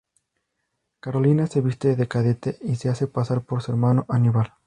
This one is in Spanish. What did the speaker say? Carolina se viste de cadete y se hace pasar por su hermano Aníbal.